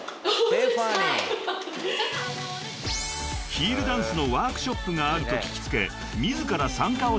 ［ヒールダンスのワークショップがあると聞きつけ自ら参加を志願］